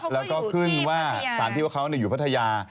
แล้วก็ขึ้นว่าสารที่ว่าเขาอยู่พัทยา